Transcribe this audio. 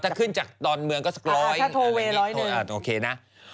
ถ้าขึ้นจากตอนเมืองก็๑๐๐บาท